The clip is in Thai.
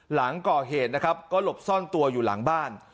หลังก่อเหตุนะครับก็หลบซ่อนตัวอยู่หลังบ้าน